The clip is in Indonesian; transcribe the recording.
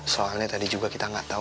soalnya tadi juga kita gak tau